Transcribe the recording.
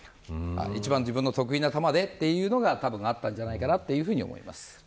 一番自分の得意な球でというのがあったんじゃないかなと思います。